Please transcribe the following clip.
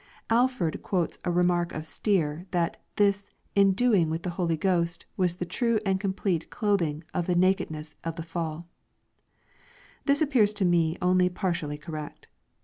Alford quotes a remark of Stier, that this " enduing with the Holy Ghost, was the true and complete clothing of fiie naked ness of the fall" This appears to me only partially correct.